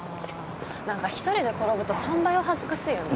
何か１人で転ぶと３倍は恥ずかしいよね。